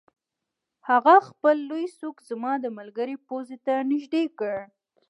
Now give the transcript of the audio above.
هغه خپل لوی سوک زما د ملګري پوزې ته نږدې کړ